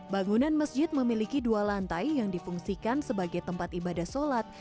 bangunan masjid memiliki dua lantai yang difungsikan sebagai tempat ibadah sholat